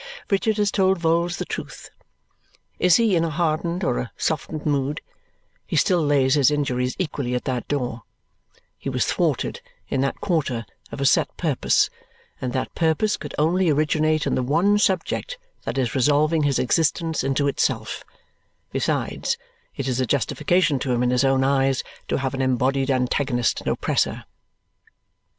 Richard has told Vholes the truth. Is he in a hardened or a softened mood, he still lays his injuries equally at that door; he was thwarted, in that quarter, of a set purpose, and that purpose could only originate in the one subject that is resolving his existence into itself; besides, it is a justification to him in his own eyes to have an embodied antagonist and oppressor.